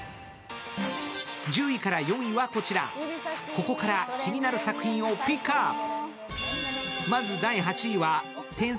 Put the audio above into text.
ここから気になる作品をピックアップ。